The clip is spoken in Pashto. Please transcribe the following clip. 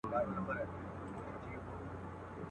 له آسمانه هاتف ږغ کړل چي احمقه.